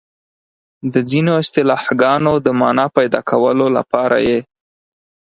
د ځینو اصطلاحګانو د مانا پيدا کولو لپاره یې